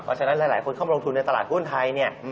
เพราะฉะนั้นหลายคนเข้ามาลงทุนในตลาดหุ้นไทยเนี่ย